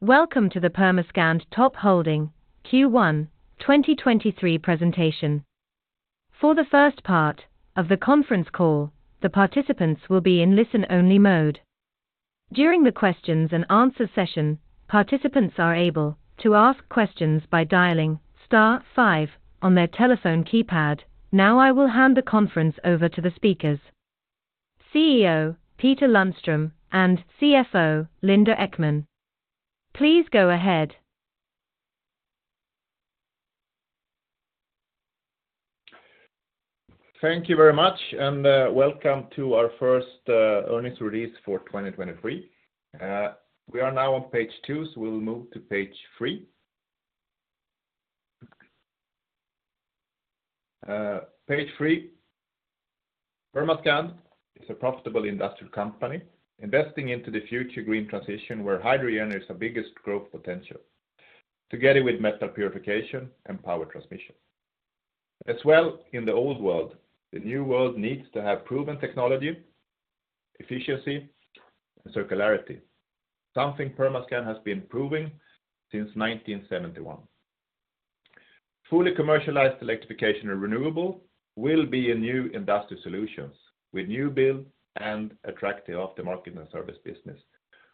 Welcome to the Permascand Top Holding Q1 2023 presentation. For the first part of the conference call, the participants will be in listen-only mode. During the questions and answer session, participants are able to ask questions by dialing star five on their telephone keypad. I will hand the conference over to the speakers, CEO Peter Lundström and CFO Linda Ekman. Please go ahead. Thank you very much, and welcome to our first earnings release for 2023. We are now on page two, so we'll move to page three. Page three. Permascand is a profitable industrial company investing into the future green transition where hydrogen is the biggest growth potential, together with metal purification and power transmission. As well in the old world, the new world needs to have proven technology, efficiency and circularity, something Permascand has been proving since 1971. Fully commercialized electrification and renewable will be a new Industrial Solutions with new build and attractive aftermarket and service business,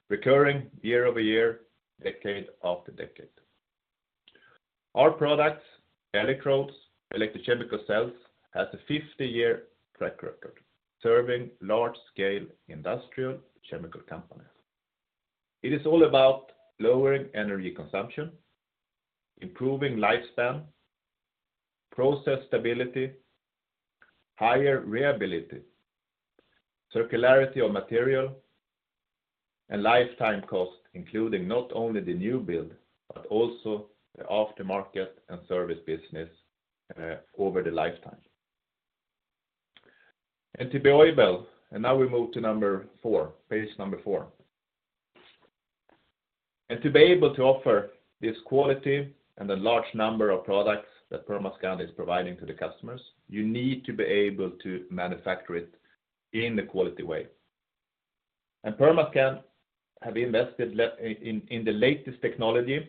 recurring year-over-year, decade after decade. Our products, electrodes, electrochemical cells, has a 50-year track record serving large-scale industrial chemical companies. It is all about lowering energy consumption, improving lifespan, process stability, higher reliability, circularity of material, and lifetime cost, including not only the new build, but also the aftermarket and service business over the lifetime. Now we move to four, page four. To be able to offer this quality and the large number of products that Permascand is providing to the customers, you need to be able to manufacture it in a quality way. Permascand have invested in the latest technology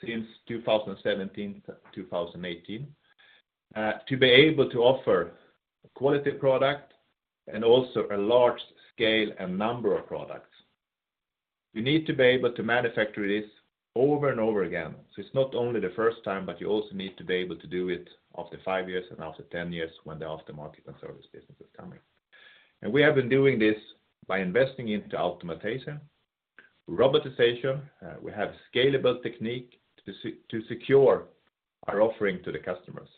since 2017, 2018 to be able to offer a quality product and also a large scale and number of products. You need to be able to manufacture this over and over again. It's not only the first time, but you also need to be able to do it after five years and after ten years when the aftermarket and service business is coming. We have been doing this by investing into automatization, robotization, we have scalable technique to secure our offering to the customers.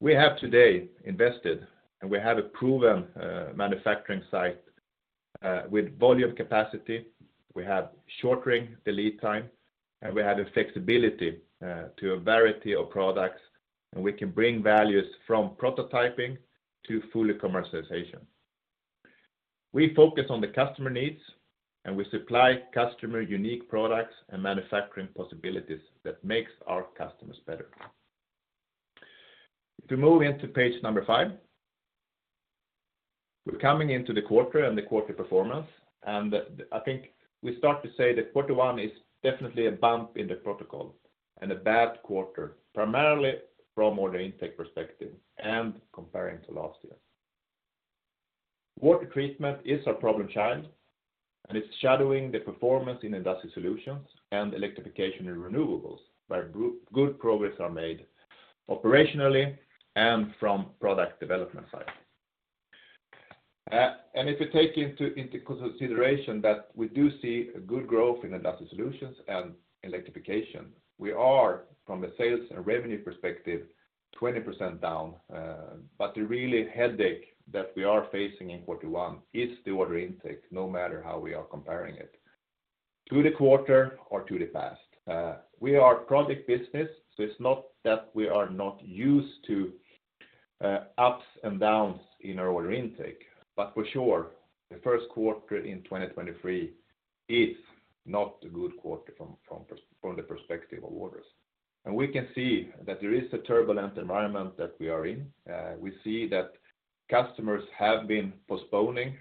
We have today invested, and we have a proven manufacturing site with volume capacity. We have shortening the lead time, and we have a flexibility to a variety of products, and we can bring values from prototyping to fully commercialization. We focus on the customer needs, and we supply customer unique products and manufacturing possibilities that makes our customers better. If you move into page number five, we're coming into the quarter and the quarter performance, and I think we start to say that quarter one is definitely a bump in the protocol and a bad quarter, primarily from order intake perspective and comparing to last year. Water Treatment is our problem child, and it's shadowing the performance in Industrial Solutions and Electrification & Renewables, where good progress are made operationally and from product development side. If you take into consideration that we do see a good growth in Industrial Solutions and electrification, we are from a sales and revenue perspective, 20% down, but the really headache that we are facing in quarter one is the order intake, no matter how we are comparing it to the quarter or to the past. We are project business, so it's not that we are not used to ups and downs in our order intake. For sure, the first quarter in 2023 is not a good quarter from the perspective of orders. We can see that there is a turbulent environment that we are in. We see that customers have been postponing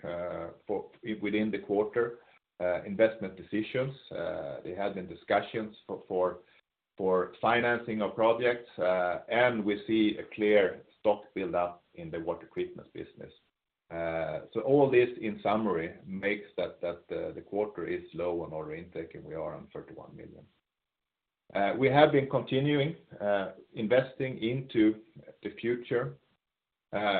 within the quarter investment decisions. They have been discussions for financing of projects, and we see a clear stock build-up in the Water Treatment business. All this in summary makes that the quarter is low on order intake, and we are on 31 million. We have been continuing investing into the future,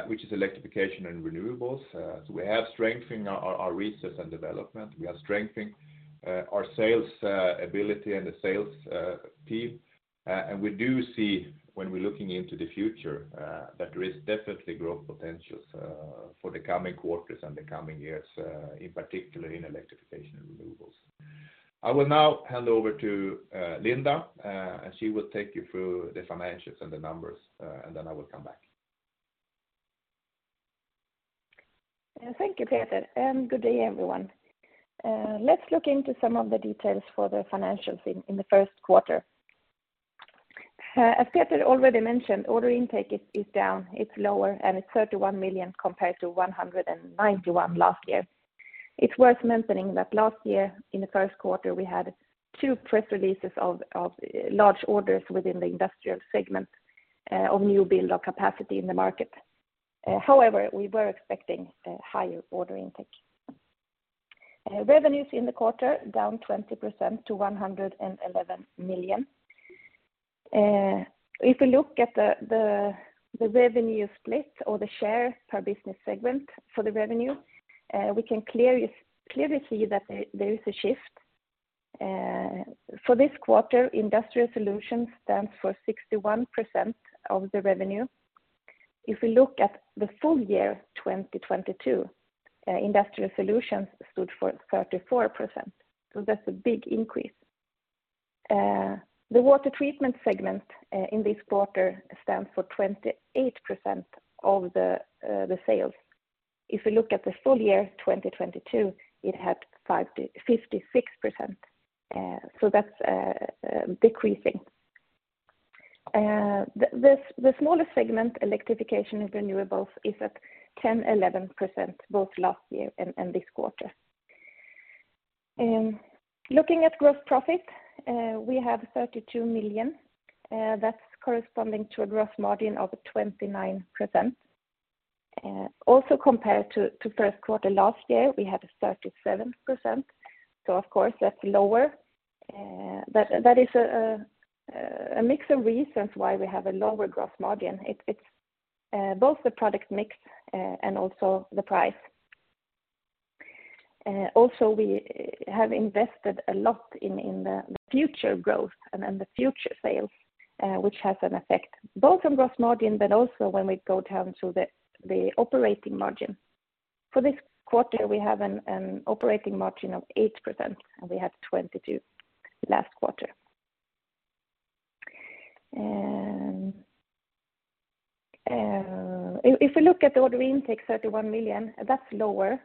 which is Electrification & Renewables. We have strengthening our research and development. We are strengthening our sales ability and the sales team. We do see when we're looking into the future that there is definitely growth potentials for the coming quarters and the coming years, in particular in Electrification & Renewables. I will now hand over to Linda, and she will take you through the financials and the numbers, and then I will come back. Thank you, Peter. Good day, everyone. Let's look into some of the details for the financials in the first quarter. As Peter already mentioned, order intake is down, it's lower, it's 31 million compared to 191 million last year. It's worth mentioning that last year in the first quarter, we had two press releases of large orders within the Industrial Solutions segment, of new build of capacity in the market. However, we were expecting a higher order intake. Revenues in the quarter down 20% to 111 million. If you look at the revenue split or the share per business segment for the revenue, we can clearly see that there is a shift. For this quarter, Industrial Solutions stands for 61% of the revenue. We look at the full year 2022, Industrial Solutions stood for 34%. That's a big increase. The Water Treatment segment in this quarter stands for 28% of the sales. You look at the full year 2022, it had 5% to 56%. That's decreasing. The smaller segment, Electrification & Renewables is at 10%, 11% both last year and this quarter. Looking at gross profit, we have 32 million. That's corresponding to a gross margin of 29%. Also compared to first quarter last year, we had 37%. Of course that's lower. That is a mix of reasons why we have a lower gross margin. It's both the product mix and also the price. Also we have invested a lot in the future growth and then the future sales, which has an effect both on gross margin but also when we go down to the operating margin. For this quarter, we have an operating margin of 8%, and we had 22% last quarter. If we look at the order intake 31 million, that's lower.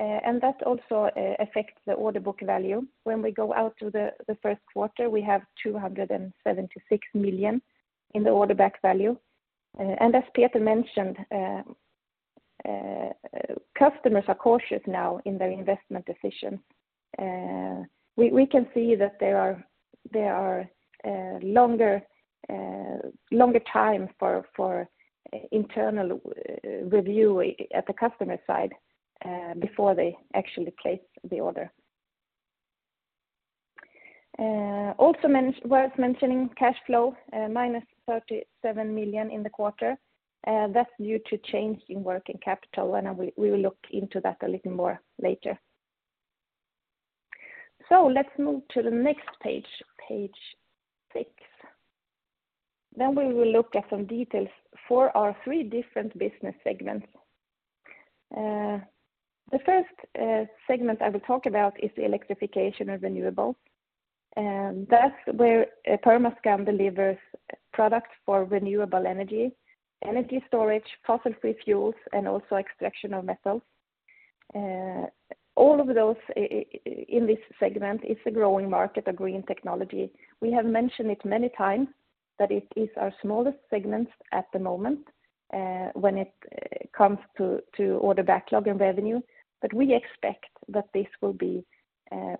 That also affects the order book value. When we go out to the first quarter, we have 276 million in the order back value. As Peter Lundström mentioned, customers are cautious now in their investment decisions. We can see that there are longer time for internal review at the customer side, before they actually place the order. Also worth mentioning cash flow, minus 37 million in the quarter. That's due to change in working capital, and we will look into that a little more later. Let's move to the next page six. We will look at some details for our three different business segments. The first segment I will talk about is the Electrification & Renewables, and that's where Permascand delivers products for renewable energy storage, fossil-free fuels, and also extraction of metals. All of those in this segment is a growing market, a green technology. We have mentioned it many times that it is our smallest segment at the moment, when it comes to order backlog and revenue. We expect that this will be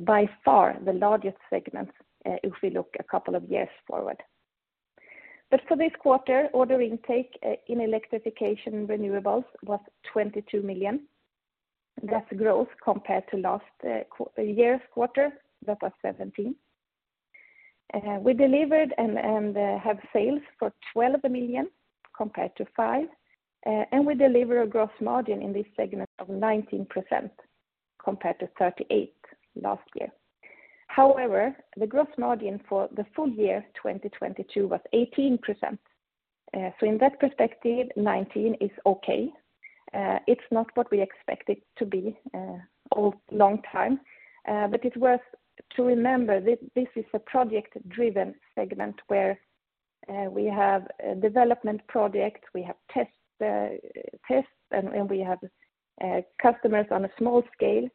by far the largest segment, if we look a couple of years forward. For this quarter, order intake in Electrification & Renewables was 22 million. That's growth compared to last year's quarter, that was 17. We delivered and have sales for 12 million compared to 5. And we deliver a gross margin in this segment of 19% compared to 38 last year. However, the gross margin for the full year 2022 was 18%. In that perspective, 19 is okay. It's not what we expect it to be a long time. It's worth to remember this is a project driven segment where we have a development project, we have tests, and we have customers on a small scale.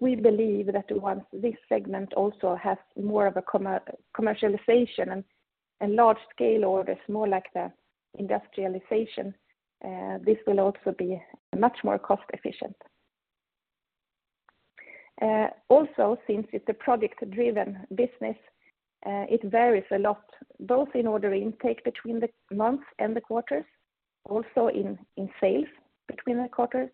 We believe that once this segment also has more of a commercialization and large scale orders, more like the industrialization, this will also be much more cost efficient. Also, since it's a project driven business, it varies a lot, both in order intake between the months and the quarters, also in sales between the quarters,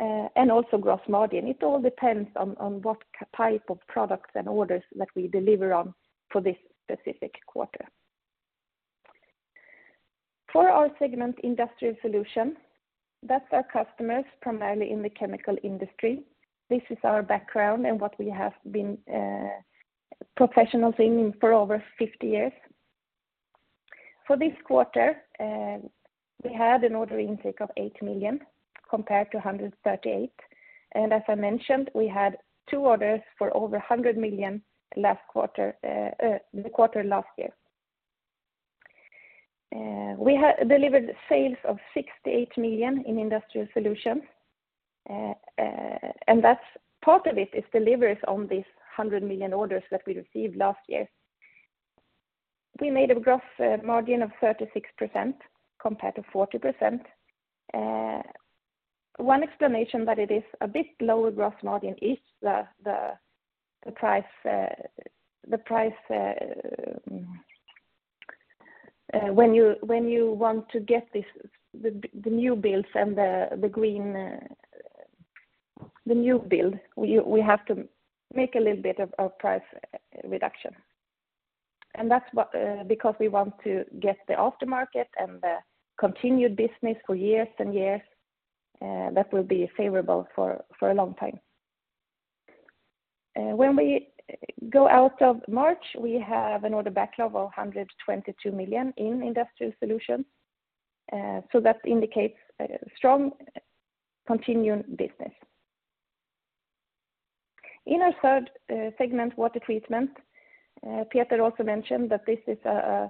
and also gross margin. It all depends on what type of products and orders that we deliver on for this specific quarter. For our segment Industrial Solutions, that's our customers primarily in the chemical industry. This is our background and what we have been professional in for over 50 years. For this quarter, we had an order intake of 8 million compared to 138 million. As I mentioned, we had two orders for over 100 million last quarter, the quarter last year. We had delivered sales of 68 million in Industrial Solutions. That's part of it is deliveries on these 100 million orders that we received last year. We made a gross margin of 36% compared to 40%. One explanation that it is a bit lower gross margin is the price, when you want to get the new builds and the green, the new build, we have to make a little bit of price reduction. That's because we want to get the aftermarket and the continued business for years and years, that will be favorable for a long time. When we go out of March, we have an order backlog of 122 million in Industrial Solutions. That indicates a strong continuing business. In our third segment, Water Treatment, Peter also mentioned that this is a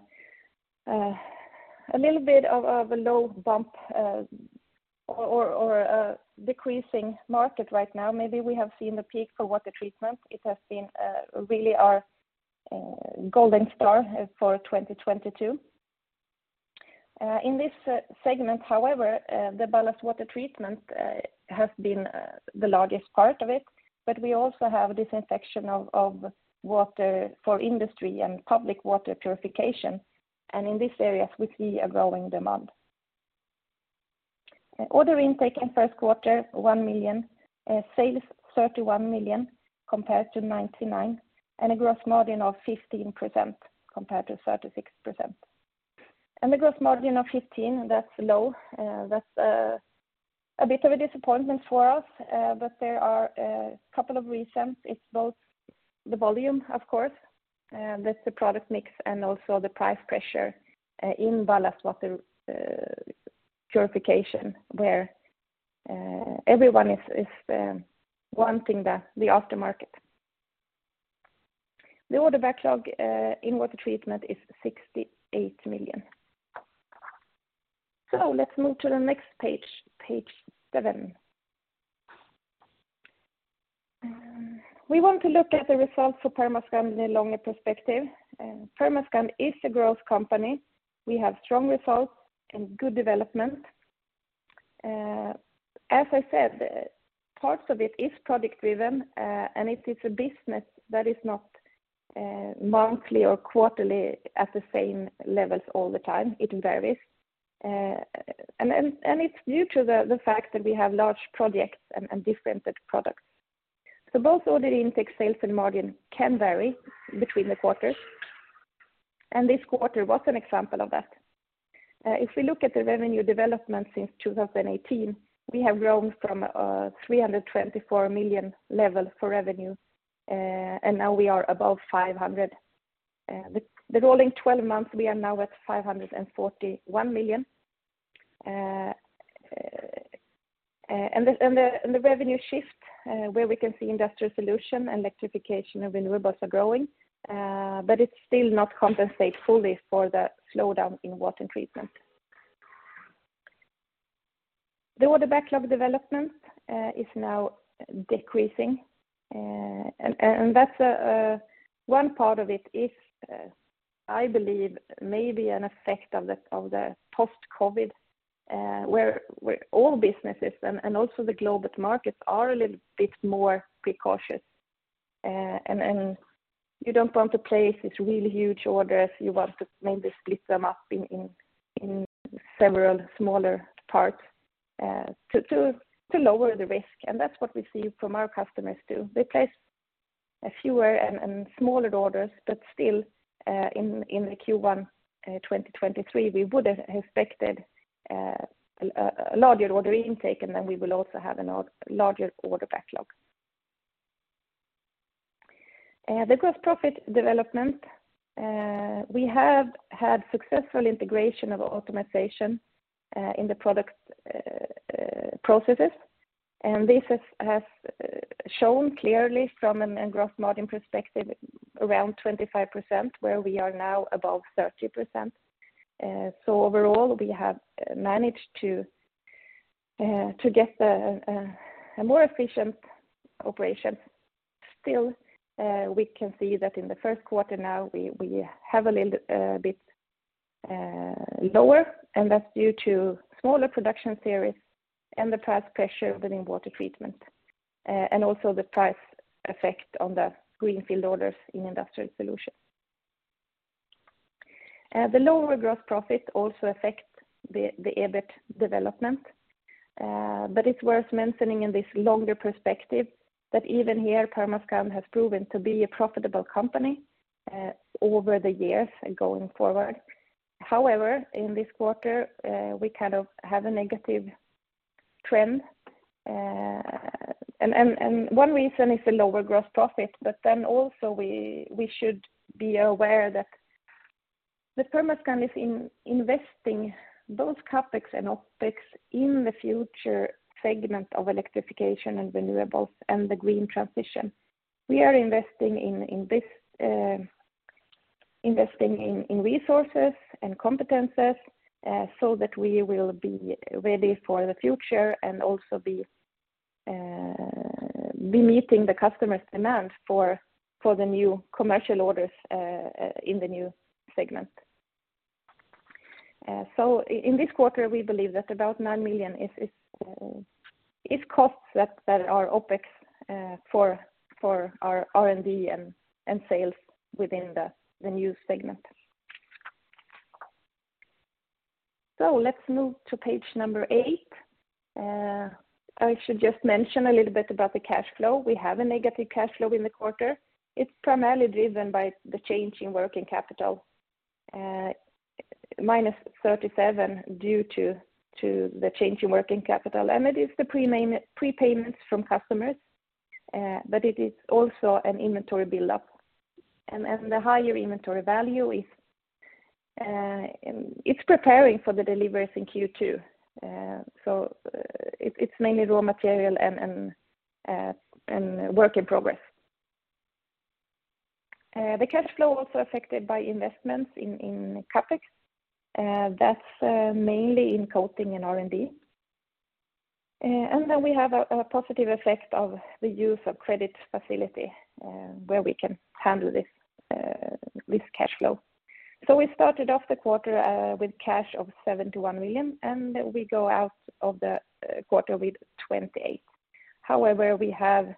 little bit of a low bump or a decreasing market right now. Maybe we have seen the peak for Water Treatment. It has been really our golden star for 2022. In this segment, however, the ballast water treatment has been the largest part of it, we also have disinfection of water for industry and public water purification, in these areas, we see a growing demand. Order intake in first quarter, 1 million. Sales, 31 million compared to 99 million, and a gross margin of 15% compared to 36%. The gross margin of 15%, that's low. That's a bit of a disappointment for us, but there are a couple of reasons. It's both the volume, of course, that's the product mix, and also the price pressure in ballast water treatment, where everyone is wanting the aftermarket. The order backlog in Water Treatment is 68 million. Let's move to the next page seven. We want to look at the results for Permascand in a longer perspective. Permascand is a growth company. We have strong results and good development. As I said, parts of it is product driven, and it is a business that is not monthly or quarterly at the same levels all the time. It varies. It's due to the fact that we have large projects and different products. Both order intake, sales, and margin can vary between the quarters, and this quarter was an example of that. If we look at the revenue development since 2018, we have grown from a 324 million level for revenue, and now we are above 500 million. The rolling twelve months, we are now at 541 million. The revenue shift, where we can see Industrial Solutions and Electrification & Renewables are growing, but it's still not compensate fully for the slowdown in Water Treatment. The order backlog development is now decreasing. That's one part of it is I believe maybe an effect of the post-COVID, where all businesses and also the global markets are a little bit more precautious. You don't want to place these really huge orders. You want to maybe split them up in several smaller parts to lower the risk. That's what we see from our customers, too. They place fewer and smaller orders, still, in Q1 2023, we would have expected a larger order intake, then we will also have a larger order backlog. The gross profit development, we have had successful integration of automatization in the product processes. This has shown clearly from a gross margin perspective around 25%, where we are now above 30%. Overall, we have managed to get a more efficient operation. Still, we can see that in the first quarter now, we have a little bit lower, that's due to smaller production series and the price pressure within Water Treatment, and also the price effect on the greenfield orders in Industrial Solutions. The lower gross profit also affect the EBIT development, but it's worth mentioning in this longer perspective that even here, Permascand has proven to be a profitable company over the years going forward. In this quarter, we kind of have a negative trend. One reason is the lower gross profit, but also we should be aware that the Permascand is investing both CapEx and OpEx in the future segment of Electrification & Renewables and the green transition. We are investing in this, investing in resources and competencies, so that we will be ready for the future and also be meeting the customer's demand for the new commercial orders in the new segment. In this quarter, we believe that about SEK 9 million is costs that are OpEx for our R&D and sales within the new segment. Let's move to page number eight. I should just mention a little bit about the cash flow. We have a negative cash flow in the quarter. It's primarily driven by the change in working capital, minus 37 due to the change in working capital. It is the prepayments from customers, it is also an inventory buildup. The higher inventory value is preparing for the deliveries in Q2. It's mainly raw material and work in progress. The cash flow also affected by investments in CapEx. That's mainly in coating and R&D. And then we have a positive effect of the use of credit facility, where we can handle this cash flow. We started off the quarter with cash of 71 million, and we go out of the quarter with 28. However, we have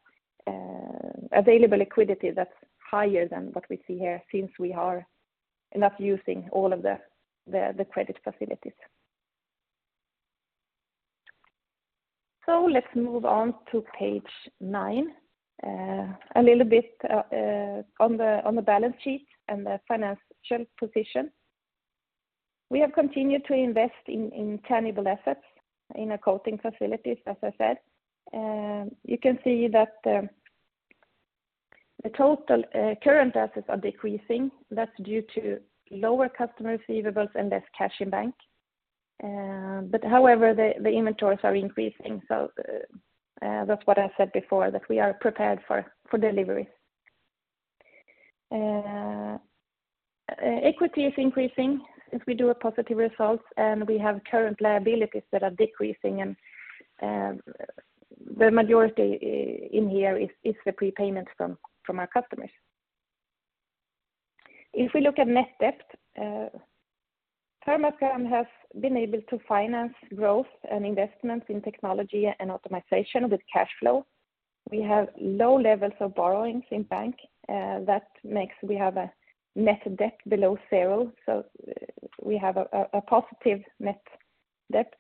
available liquidity that's higher than what we see here since we are not using all of the credit facilities. Let's move on to page nine. A little bit on the balance sheet and the financial position. We have continued to invest in tangible assets in our coating facilities, as I said. You can see that the total current assets are decreasing. That's due to lower customer receivables and less cash in bank. However, the inventories are increasing. That's what I said before, that we are prepared for delivery. Equity is increasing as we do a positive result, and we have current liabilities that are decreasing. The majority in here is the prepayments from our customers. If we look at net debt, Permascand has been able to finance growth and investments in technology and optimization with cash flow. We have low levels of borrowings in bank, that makes we have a net debt below zero. We have a positive net debt.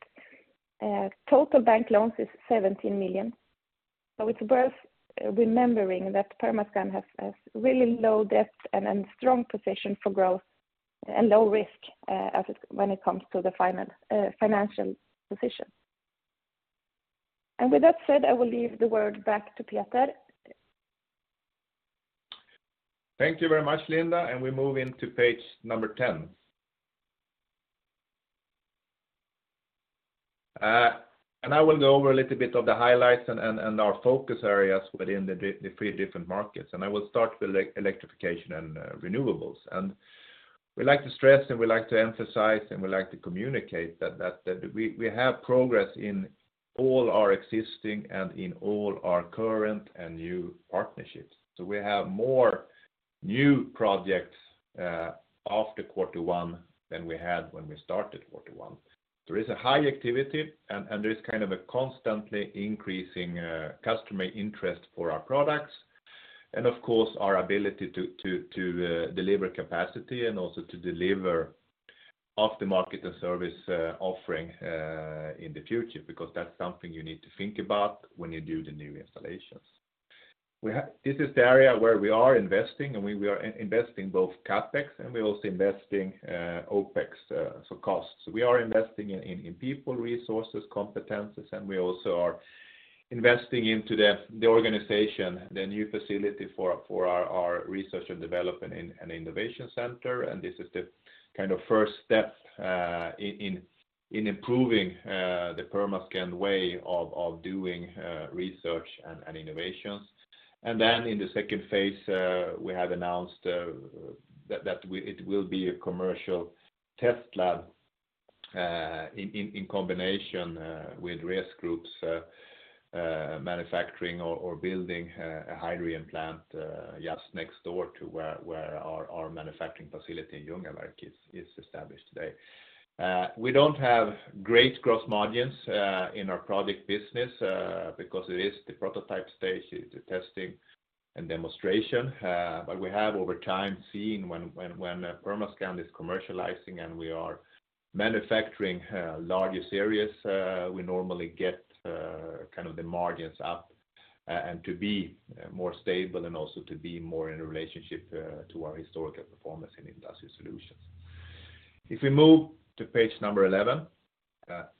Total bank loans is 17 million. It's worth remembering that Permascand has really low debt and strong position for growth and low risk when it comes to the financial position. With that said, I will leave the word back to Peter. Thank you very much, Linda. We move into page number 10. I will go over a little bit of the highlights and our focus areas within the three different markets. I will start with Electrification & Renewables. We like to stress, and we like to emphasize, and we like to communicate that we have progress in all our existing and in all our current and new partnerships. We have more new projects, after quarter one than we had when we started quarter one. There is a high activity and there is kind of a constantly increasing customer interest for our products and of course, our ability to deliver capacity and also to deliver after-market and service offering in the future because that's something you need to think about when you do the new installations. This is the area where we are investing, and we are investing both CapEx, and we're also investing OpEx, so costs. We are investing in people, resources, competencies, and we also are investing into the organization, the new facility for our research and development and innovation center. This is the kind of first step in improving the Permascand way of doing research and innovations. In the second phase, we have announced that it will be a commercial test lab in combination with risk groups manufacturing or building a hydrogen plant just next door to where our manufacturing facility in Ljungaverk is established today. We don't have great gross margins in our product business because it is the prototype stage, it's the testing and demonstration. We have over time seen when Permascand is commercializing and we are manufacturing larger areas, we normally get kind of the margins up and to be more stable and also to be more in a relationship to our historical performance in Industrial Solutions. If we move to page number 11,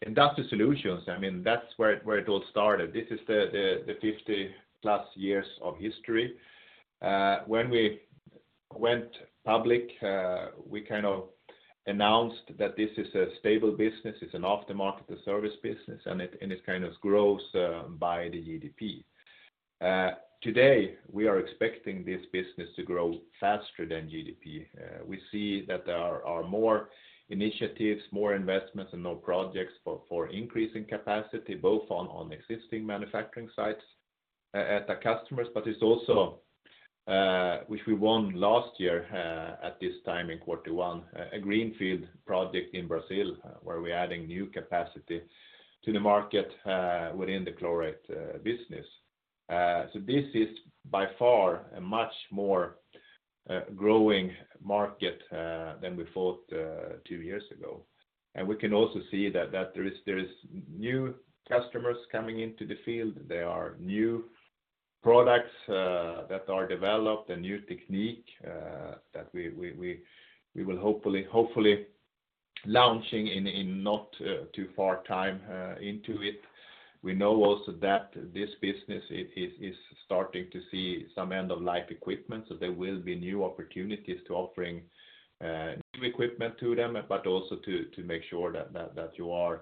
Industrial Solutions, I mean, that's where it all started. This is the 50 plus years of history. When we went public, we kind of announced that this is a stable business, it's an aftermarket service business, and it kind of grows by the GDP. Today, we are expecting this business to grow faster than GDP. We see that there are more initiatives, more investments, and more projects for increasing capacity, both on existing manufacturing sites at the customers. It's also, which we won last year, at this time in quarter one, a greenfield project in Brazil, where we're adding new capacity to the market within the chlorate business. This is by far a much more growing market than we thought two years ago. We can also see that there is new customers coming into the field. There are new products that are developed, a new technique that we will hopefully launching in not too far time into it. We know also that this business is starting to see some end-of-life equipment, so there will be new opportunities to offering new equipment to them, but also to make sure that you are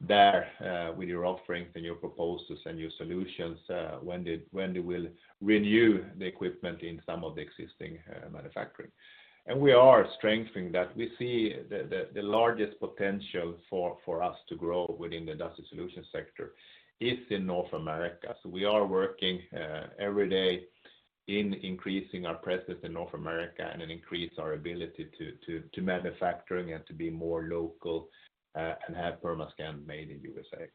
there with your offerings and your proposals and your solutions when they will renew the equipment in some of the existing manufacturing. We are strengthening that. We see the largest potential for us to grow within the Industrial Solutions sector is in North America. We are working every day in increasing our presence in North America and increase our ability to manufacturing and to be more local and have Permascand made in USA.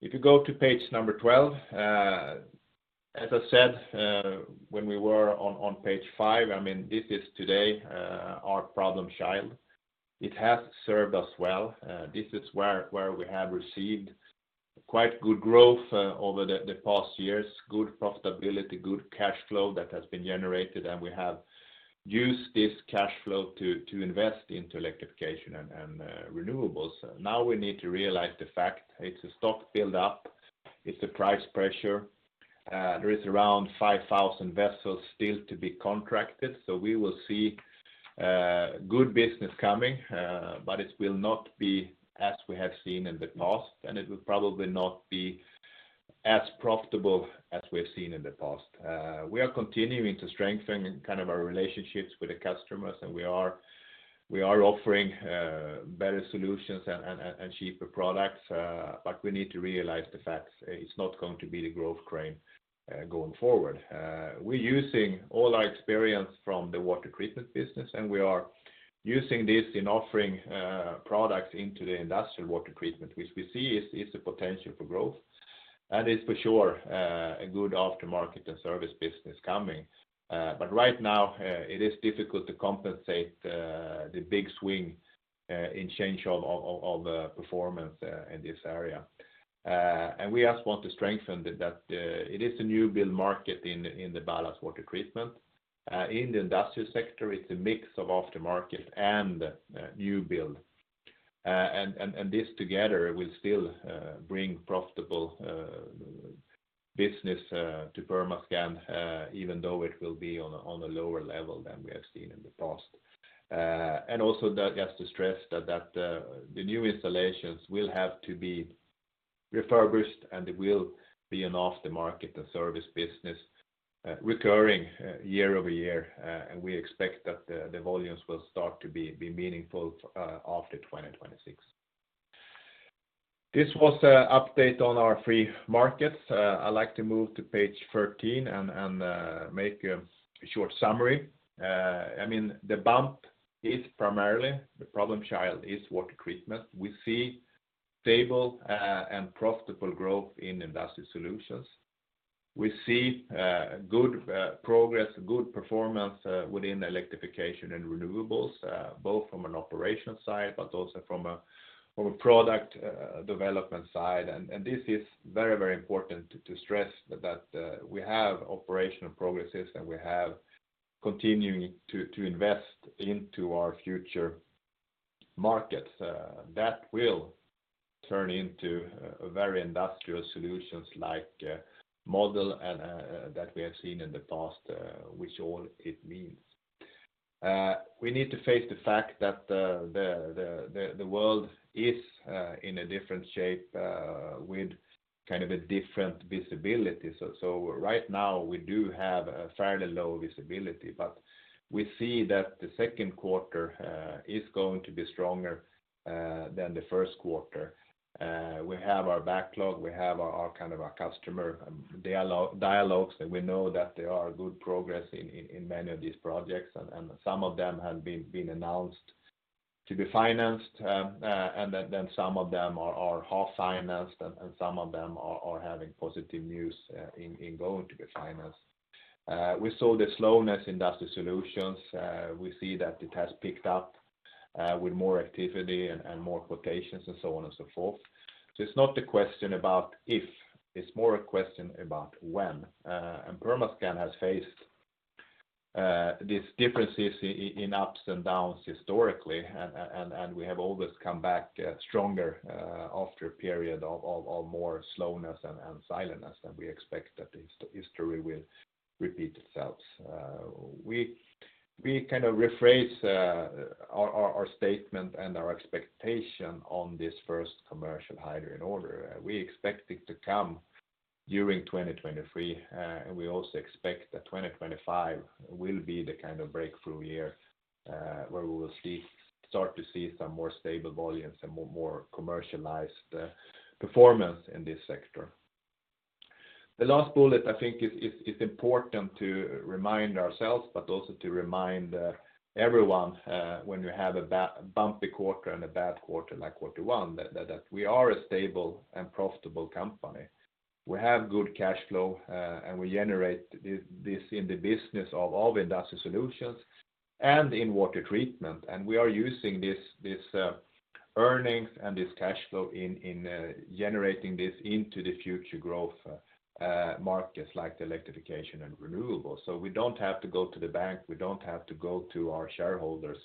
If you go to page number 12, as I said, when we were on page 5, I mean, this is today, our problem child. It has served us well. This is where we have received quite good growth over the past years, good profitability, good cash flow that has been generated, and we have used this cash flow to invest into Electrification & Renewables. Now we need to realize the fact it's a stock build-up, it's a price pressure. There is around 5,000 vessels still to be contracted, we will see good business coming, but it will not be as we have seen in the past, and it will probably not be as profitable as we've seen in the past. We are continuing to strengthen kind of our relationships with the customers, and we are offering better solutions and cheaper products, but we need to realize the facts. It's not going to be the growth crane going forward. We're using all our experience from the Water Treatment business, and we are using this in offering products into the industrial Water Treatment, which we see is a potential for growth. It's for sure a good aftermarket and service business coming. Right now, it is difficult to compensate the big swing in change of the performance in this area. We just want to strengthen that it is a new build market in the ballast water treatment. In the industrial sector, it's a mix of aftermarket and new build. This together will still bring profitable business to Permascand, even though it will be on a lower level than we have seen in the past. Also that just to stress that the new installations will have to be refurbished and it will be an aftermarket and service business, recurring year over year. We expect that the volumes will start to be meaningful after 2026. This was a update on our free markets. I'd like to move to page 13 and make a short summary. I mean, the bump is primarily the problem child is Water Treatment. We see stable and profitable growth in Industrial Solutions. We see good progress, good performance within Electrification & Renewables, both from an operational side, but also from a product development side. This is very, very important to stress that we have operational progresses, and we have continuing to invest into our future markets that will turn into a very Industrial Solutions like model that we have seen in the past, which all it means. We need to face the fact that the world is in a different shape with kind of a different visibility. Right now, we do have a fairly low visibility, but we see that the second quarter is going to be stronger than the first quarter. We have our backlog, we have our kind of our customer dialogues, and we know that there are good progress in many of these projects. Some of them have been announced to be financed, then some of them are half-financed and some of them are having positive news in going to be financed. We saw the slowness in Industrial Solutions. We see that it has picked up with more activity and more quotations and so on and so forth. It's not the question about if, it's more a question about when. Permascand has faced these differences in ups and downs historically, and we have always come back stronger after a period of more slowness and silentness, and we expect that history will repeat itself. We kind of rephrase our statement and our expectation on this first commercial hydrogen order. We expect it to come during 2023, and we also expect that 2025 will be the kind of breakthrough year, where we will start to see some more stable volumes and more commercialized performance in this sector. The last bullet, I think it's important to remind ourselves, but also to remind everyone, when you have a bumpy quarter and a bad quarter like quarter one, that we are a stable and profitable company. We have good cash flow, and we generate this in the business of all Industrial Solutions and in Water Treatment. We are using this earnings and this cash flow in generating this into the future growth markets like the Electrification & Renewables. We don't have to go to the bank, we don't have to go to our shareholders,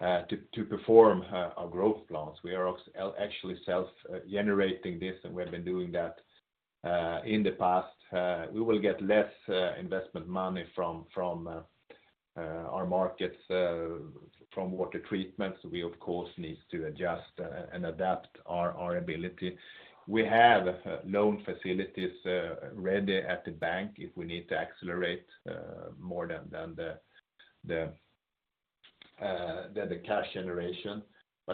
to perform our growth plans. We are actually self-generating this, and we have been doing that in the past. We will get less investment money from from our markets from Water Treatment. We of course need to adjust and adapt our ability. We have loan facilities ready at the bank if we need to accelerate more than the cash generation.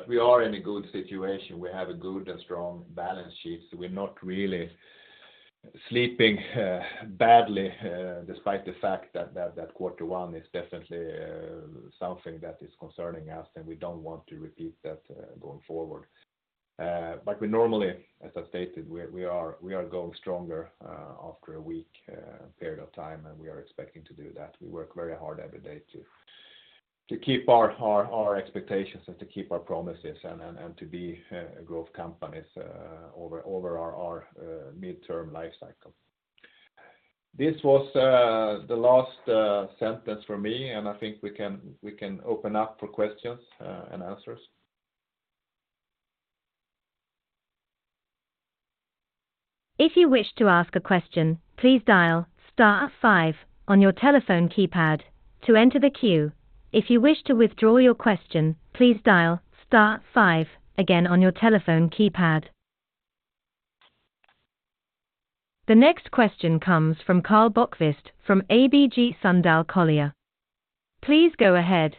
We are in a good situation. We have a good and strong balance sheet. We're not really sleeping badly despite the fact that Q1 is definitely something that is concerning us, and we don't want to repeat that going forward. We normally, as I stated, we are going stronger after a weak period of time, and we are expecting to do that. We work very hard every day to keep our expectations and to keep our promises and to be a growth companies over our midterm life cycle. This was the last sentence for me, and I think we can open up for questions and answers. If you wish to ask a question, please dial star five on your telephone keypad to enter the queue. If you wish to withdraw your question, please dial star five again on your telephone keypad. The next question comes from Karl Bokvist from ABG Sundal Collier. Please go ahead.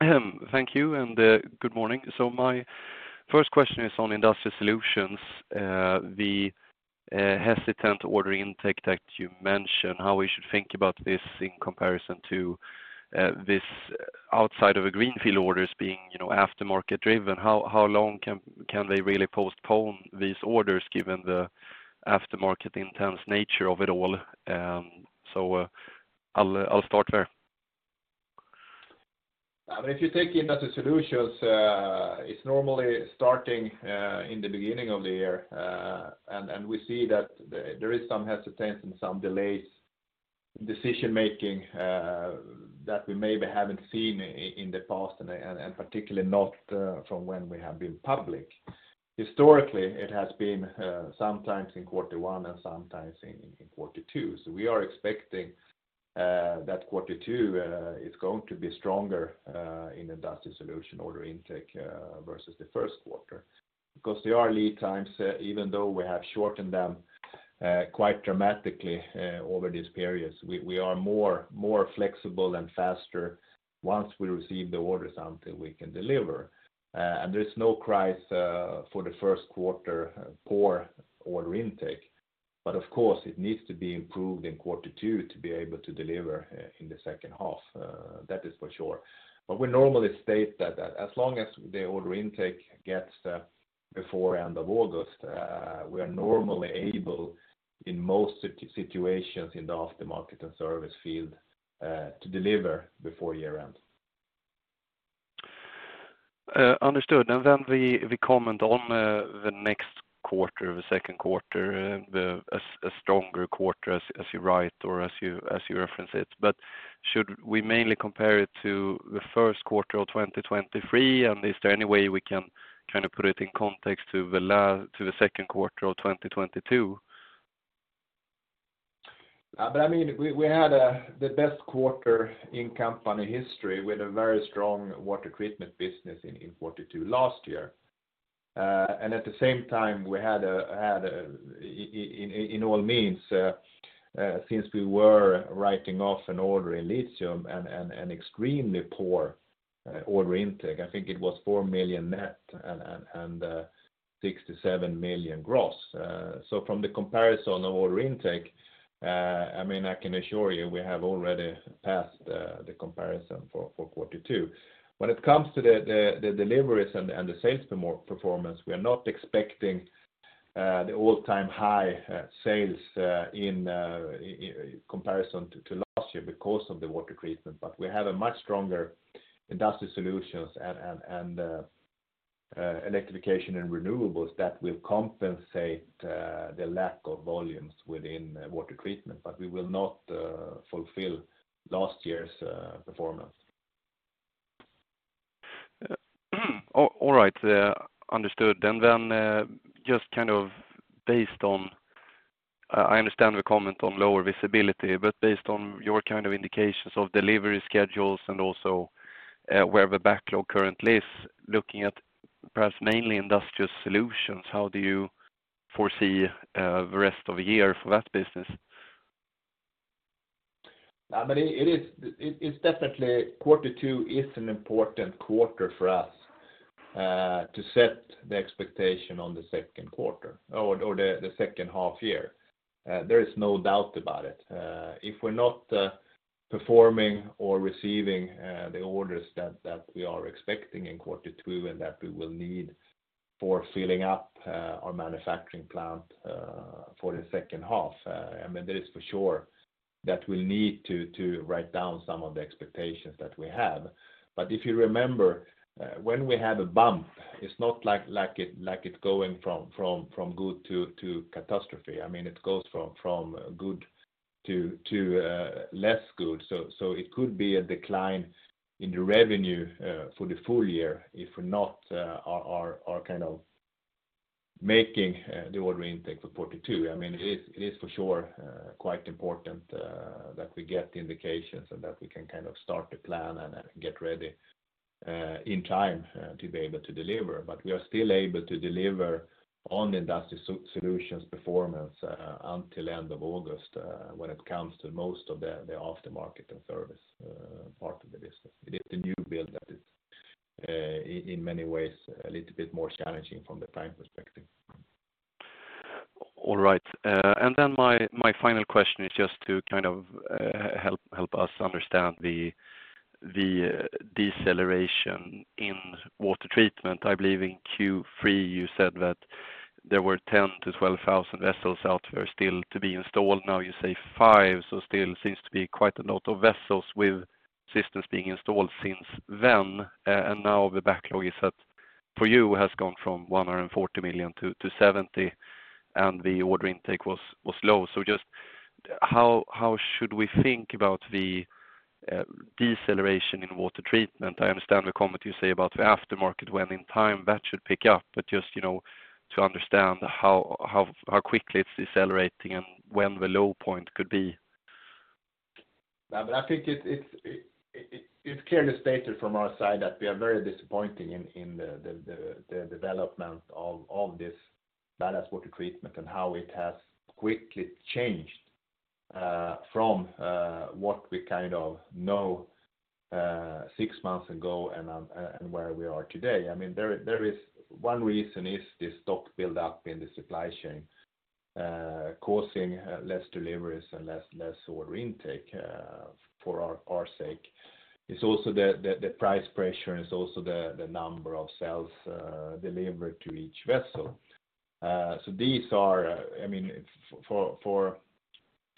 Thank you, and good morning. My first question is on Industrial Solutions. The hesitant order intake that you mentioned, how we should think about this in comparison to this outside of a greenfield orders being, you know, aftermarket driven, how long can they really postpone these orders given the aftermarket intense nature of it all? I'll start there. I mean, if you take Industrial Solutions, it's normally starting in the beginning of the year. We see that there is some hesitance and some delays in decision-making that we maybe haven't seen in the past, and particularly not from when we have been public. Historically, it has been sometimes in quarter one and sometimes in quarter two. We are expecting that quarter two is going to be stronger in Industrial Solutions order intake versus the first quarter. There are lead times, even though we have shortened them quite dramatically over these periods, we are more flexible and faster once we receive the orders until we can deliver. There's no cries for the first quarter poor order intake. Of course, it needs to be improved in quarter two to be able to deliver in the second half. That is for sure. We normally state that as long as the order intake gets before end of August, we are normally able, in most situations in the aftermarket and service field, to deliver before year-end. Understood. We, we comment on, the next quarter, the second quarter, a stronger quarter as you write or as you, as you reference it. Should we mainly compare it to the first quarter of 2023? Is there any way we can kind of put it in context to the second quarter of 2022? I mean, we had the best quarter in company history with a very strong Water Treatment business in quarter two last year. At the same time, we had in all means, since we were writing off an order in lithium and an extremely poor order intake, I think it was $4 million net and $67 million gross. From the comparison of order intake, I mean, I can assure you we have already passed the comparison for quarter two. When it comes to the deliveries and the sales performance, we are not expecting the all-time high sales in comparison to last year because of the Water Treatment, but we have a much stronger Industrial Solutions and Electrification & Renewables that will compensate the lack of volumes within Water Treatment, but we will not fulfill last year's performance. All right, understood. Just kind of based on... I understand the comment on lower visibility, but based on your kind of indications of delivery schedules and also, where the backlog currently is, looking at perhaps mainly Industrial Solutions, how do you foresee the rest of the year for that business? It's definitely quarter two is an important quarter for us to set the expectation on the second quarter or the second half year. There is no doubt about it. If we're not performing or receiving the orders that we are expecting in quarter two and that we will need for filling up our manufacturing plant for the second half, I mean, that is for sure that we need to write down some of the expectations that we have. If you remember, when we have a bump, it's not like it going from good to catastrophe. I mean, it goes from good to less good. It could be a decline in the revenue for the full year if we're not kind of making the order intake for quarter two. I mean, it is for sure quite important that we get the indications and that we can kind of start to plan and get ready in time to be able to deliver. We are still able to deliver on the Industrial Solutions performance until end of August when it comes to most of the aftermarket and service part of the business. It is the new build that is in many ways a little bit more challenging from the time perspective. Right. My final question is just to kind of help us understand the deceleration in Water Treatment. I believe in Q3 you said that there were 10,000-12,000 vessels out there still to be installed. Now you say 5, so still seems to be quite a lot of vessels with systems being installed since then. Now the backlog is that for you has gone from 140 million to 70 million, and the order intake was low. Just how should we think about the deceleration in Water Treatment? I understand the comment you say about the aftermarket when in time that should pick up. Just, you know, to understand how quickly it's decelerating and when the low point could be. I think it's clearly stated from our side that we are very disappointing in the development of this ballast water treatment and how it has quickly changed from what we kind of know 6 months ago and where we are today. I mean, there is one reason is the stock buildup in the supply chain, causing less deliveries and less order intake for our sake. It's also the price pressure and it's also the number of cells delivered to each vessel. So these are, I mean,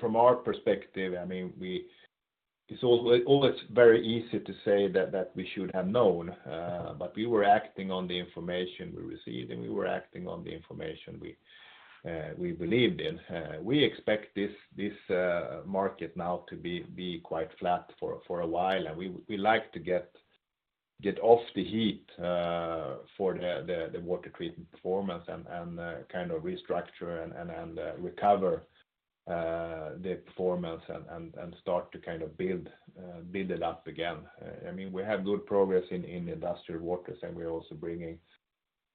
from our perspective, I mean, It's always very easy to say that we should have known, but we were acting on the information we received, and we were acting on the information we believed in. We expect this market now to be quite flat for a while. We like to get off the heat for the Water Treatment performance and kind of restructure and recover the performance and start to kind of build it up again. I mean, we have good progress in industrial waters, and we're also bringing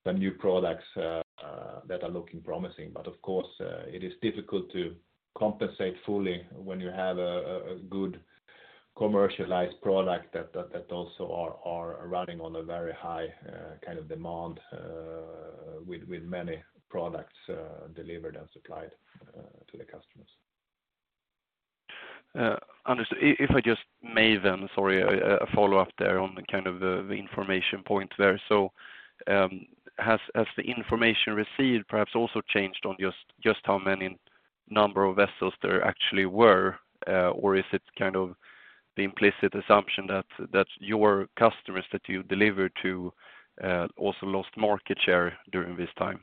some new products that are looking promising. Of course, it is difficult to compensate fully when you have a good commercialized product that also are running on a very high kind of demand, with many products delivered and supplied to the customers. If I just may then, sorry, a follow-up there on the kind of the information point there. Has the information received perhaps also changed on just how many number of vessels there actually were? Is it kind of the implicit assumption that your customers that you deliver to also lost market share during this time?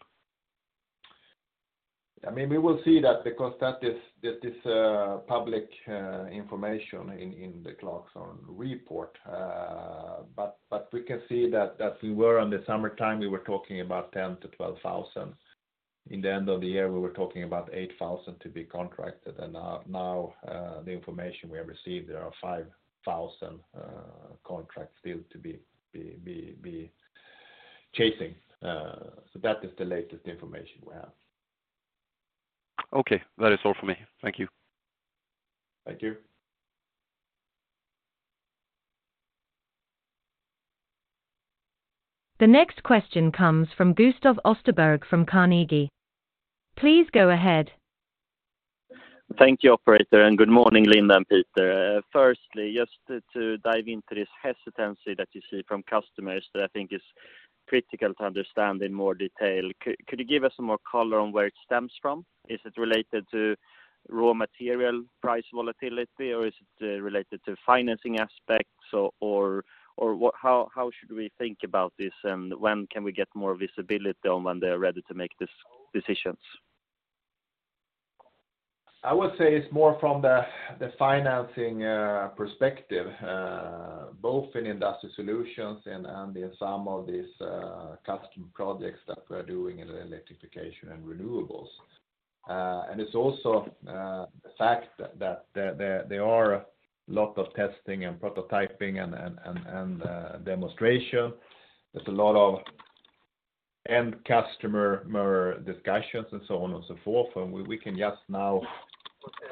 I mean, we will see that because that is, that is public information in the Clarksons report. We can see that we were on the summertime, we were talking about 10,000-12,000. In the end of the year, we were talking about 8,000 to be contracted. Now, the information we have received, there are 5,000 contracts still to be chasing. That is the latest information we have. That is all for me. Thank you. Thank you. The next question comes from Gustav Österberg from Carnegie. Please go ahead. Thank you, operator. Good morning, Linda and Peter. Firstly, just to dive into this hesitancy that you see from customers that I think is critical to understand in more detail. Could you give us some more color on where it stems from? Is it related to raw material price volatility, or is it related to financing aspects or what? How should we think about this, and when can we get more visibility on when they are ready to make these decisions? I would say it's more from the financing perspective, both in Industrial Solutions and in some of these custom projects that we're doing in the Electrification & Renewables. It's also the fact that there are a lot of testing and prototyping and demonstration. There's a lot of end customer more discussions and so on and so forth. We can just now,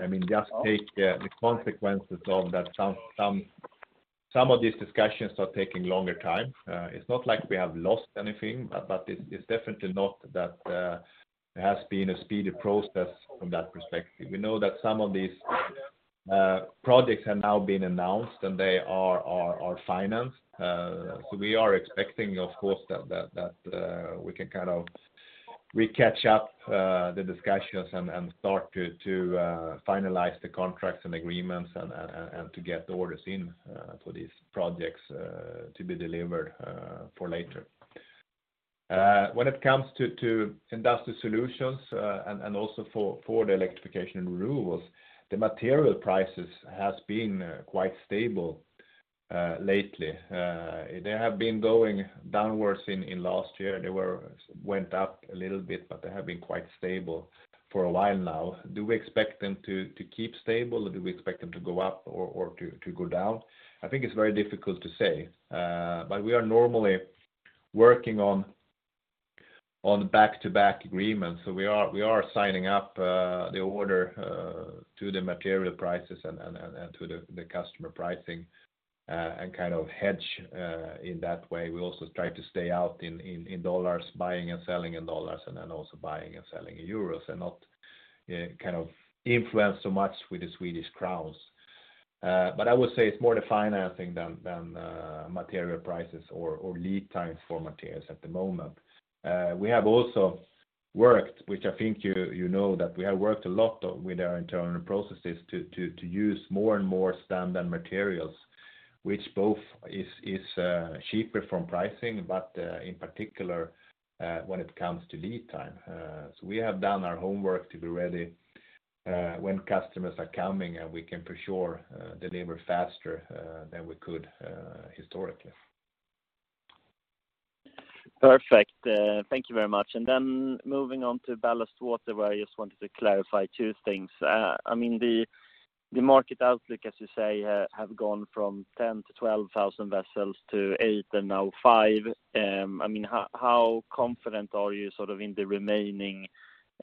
I mean, just take the consequences of that some of these discussions are taking longer time. It's not like we have lost anything, but it's definitely not that it has been a speedy process from that perspective. We know that some of these projects have now been announced, and they are financed. We are expecting, of course, that we can kind of recatch up the discussions and start to finalize the contracts and agreements and to get the orders in for these projects to be delivered for later. When it comes to Industrial Solutions, and also for the Electrification & Renewables, the material prices has been quite stable lately. They have been going downwards in last year. They went up a little bit, but they have been quite stable for a while now. Do we expect them to keep stable? Do we expect them to go up or to go down? I think it's very difficult to say. We are normally working on back-to-back agreements. We are signing up the order to the material prices and to the customer pricing and kind of hedge in that way. We also try to stay out in dollars, buying and selling in dollars, and then also buying and selling in euros and not kind of influence so much with the Swedish crowns. But I would say it's more the financing than material prices or lead times for materials at the moment. We have also worked, which I think you know, that we have worked a lot of with our internal processes to use more and more standard materials, which both is cheaper from pricing, but in particular when it comes to lead time. We have done our homework to be ready, when customers are coming, and we can for sure, deliver faster, than we could, historically. Perfect. Thank you very much. Moving on to ballast water, where I just wanted to clarify two things. I mean, the market outlook, as you say, have gone from 10-12,000 vessels to eight and now five. I mean, how confident are you sort of in the remaining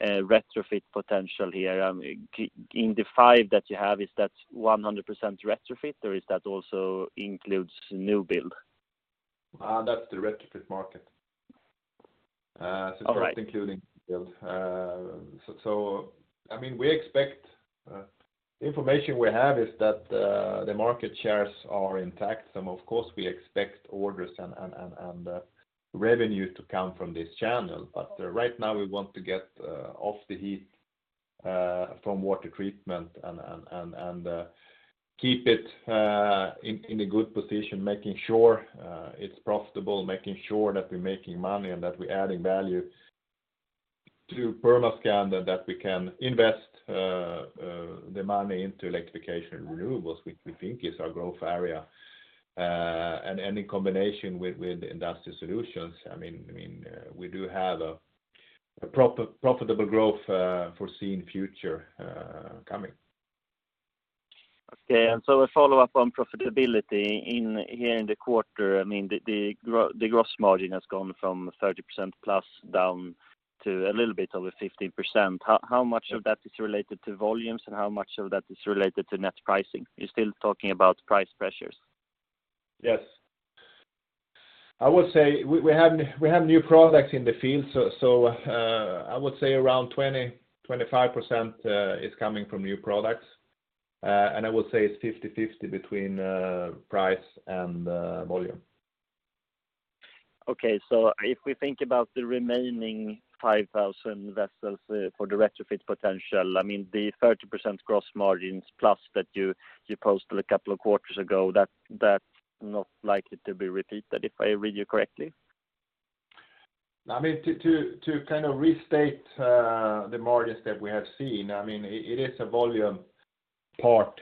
retrofit potential here? Keep in the five that you have, is that 100% retrofit, or is that also includes new build? That's the retrofit market. All right. That's including build. I mean, we expect the information we have is that the market shares are intact, and of course we expect orders and revenue to come from this channel. Right now, we want to get off the heat from Water Treatment and keep it in a good position, making sure it's profitable, making sure that we're making money and that we're adding value to Permascand, that we can invest the money into Electrification & Renewables, which we think is our growth area. In combination with Industrial Solutions, I mean, I mean, we do have a profitable growth foreseen future coming. Okay. A follow-up on profitability in here in the quarter, I mean, the gross margin has gone from 30% plus down to a little bit over 15%. How much of that is related to volumes, and how much of that is related to net pricing? You're still talking about price pressures. Yes. I would say we have new products in the field. I would say around 20-25% is coming from new products. I would say it's 50/50 between price and volume. Okay. If we think about the remaining 5,000 vessels, for the retrofit potential, I mean, the 30% gross margins plus that you posted a couple of quarters ago, that's not likely to be repeated, if I read you correctly. I mean, to kind of restate, the margins that we have seen, I mean, it is a volume part,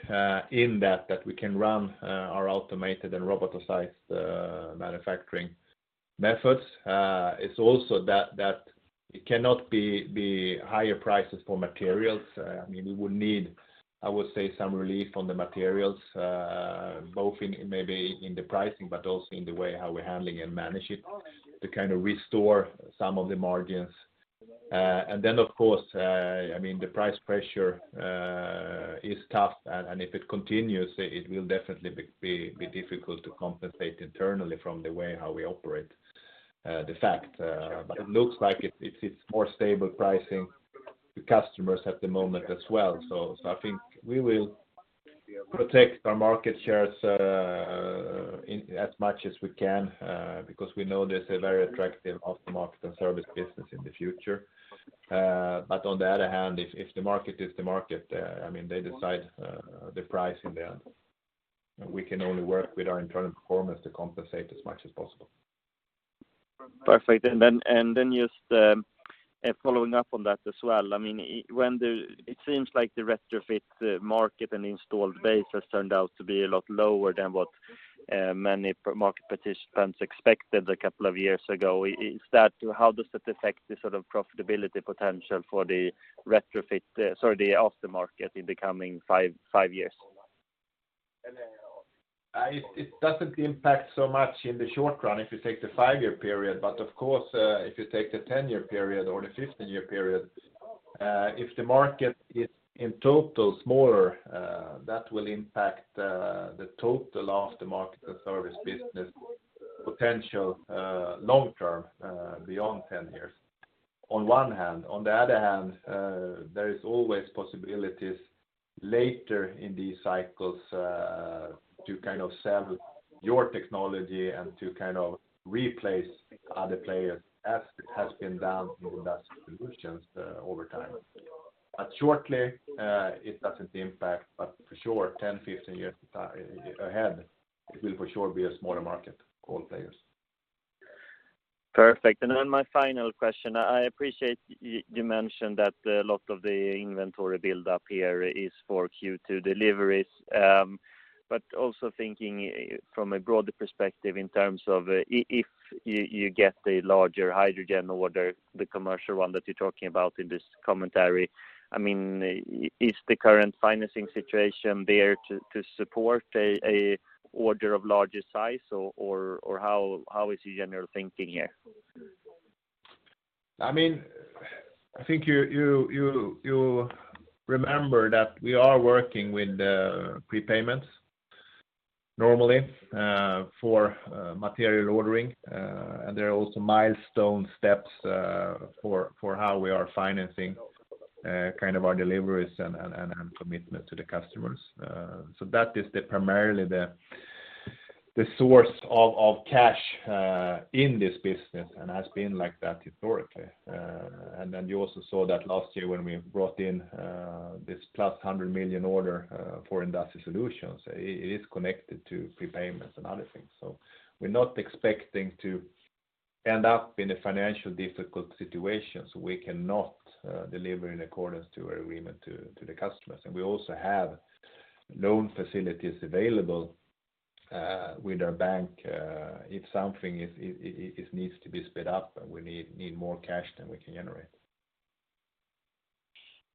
in that we can run our automated and robotized manufacturing methods. It's also that it cannot be higher prices for materials. I mean, we would need, I would say, some relief on the materials, both in maybe in the pricing, but also in the way how we're handling and manage it to kind of restore some of the margins. Then of course, I mean, the price pressure is tough, and if it continues, it will definitely be difficult to compensate internally from the way how we operate, the fact. It looks like it's more stable pricing to customers at the moment as well. I think we will protect our market shares in as much as we can because we know there's a very attractive aftermarket and service business in the future. But on the other hand, if the market is the market, I mean, they decide the pricing there. We can only work with our internal performance to compensate as much as possible. Perfect. Just following up on that as well. I mean, it seems like the retrofit market and installed base has turned out to be a lot lower than what many market participants expected a couple of years ago. How does that affect the sort of profitability potential for the retrofit, sorry, the aftermarket in the coming five years? It doesn't impact so much in the short run if you take the five -year period. Of course, if you take the 10-year period or the 15-year period, if the market is in total smaller, that will impact the total aftermarket, the service business potential long term, beyond 10 years on one hand. On the other hand, there is always possibilities later in these cycles, to kind of sell your technology and to kind of replace other players as it has been done in Industrial Solutions, over time. Shortly, it doesn't impact, but for sure, 10-15 years ahead, it will for sure be a smaller market for all players. Perfect. My final question. I appreciate you mentioned that a lot of the inventory build up here is for Q2 deliveries. Also thinking from a broader perspective in terms of if you get the larger hydrogen order, the commercial one that you're talking about in this commentary. I mean, is the current financing situation there to support an order of larger size or how is your general thinking here? I mean, I think you remember that we are working with the prepayments normally, for material ordering. There are also milestone steps, for how we are financing, kind of our deliveries and commitment to the customers. That is the primarily the source of cash, in this business and has been like that historically. You also saw that last year when we brought in, this plus 100 million order, for Industrial Solutions. It is connected to prepayments and other things. We're not expecting to end up in a financial difficult situation, so we cannot deliver in accordance to our agreement to the customers. We also have loan facilities available with our bank, if something needs to be sped up and we need more cash than we can generate.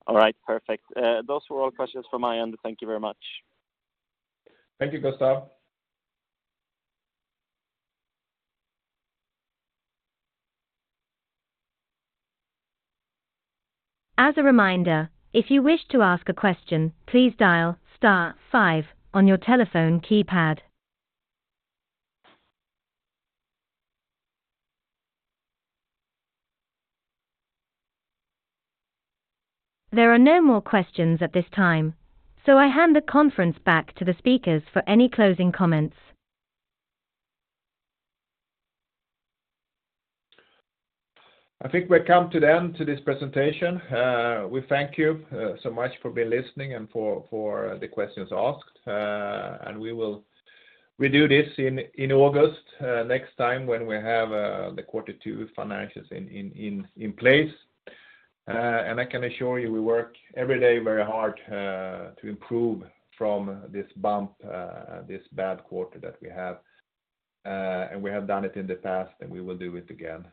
All right. Perfect. Those were all questions from my end. Thank you very much. Thank you, Gustav. As a reminder, if you wish to ask a question, please dial star five on your telephone keypad. There are no more questions at this time, so I hand the conference back to the speakers for any closing comments. I think we come to the end to this presentation. We thank you so much for being listening and for the questions asked. We will redo this in August next time when we have the quarter two financials in place. I can assure you we work every day very hard to improve from this bump, this bad quarter that we have. We have done it in the past, and we will do it again.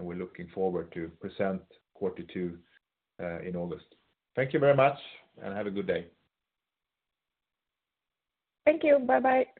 We're looking forward to present quarter two in August. Thank you very much, and have a good day. Thank you. Bye-bye.